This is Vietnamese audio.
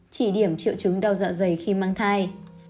chỉ điểm triệu chứng đau dạ dày khi mang thai